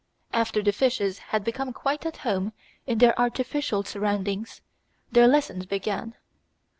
After the fishes had become quite at home in their artificial surroundings, their lessons began.